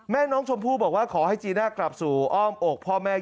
แม่น้องชมพู่บอกว่าขอให้จีน่ากลับสู่อ้อมอกพ่อแม่